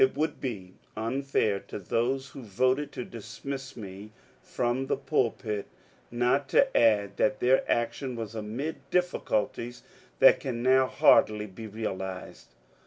It would be unfair to those who voted to dismiss me from the pulpit not to add that their action was amid difficulties that can now hardly be realized.